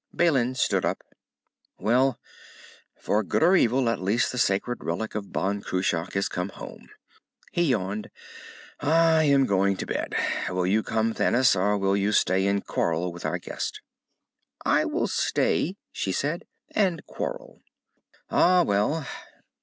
Balin stood up. "Well, for good or evil, at least the sacred relic of Ban Cruach has come home." He yawned. "I am going to bed. Will you come, Thanis, or will you stay and quarrel with our guest?" "I will stay," she said, "and quarrel." "Ah, well."